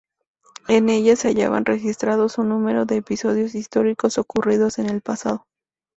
En ella se hallan registrados un número de episodios históricos ocurridos en el pasado.